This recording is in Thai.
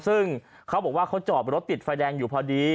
ซึ่งเขาบอกว่าเขาจอดรถติดไฟแดงอยู่พอดี